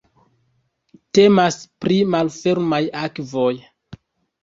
Temas pri malfermaj akvoj.